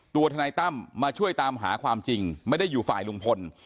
ทนายตั้มมาช่วยตามหาความจริงไม่ได้อยู่ฝ่ายลุงพล